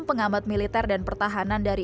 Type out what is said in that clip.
pengambat militer dan pertahanan dari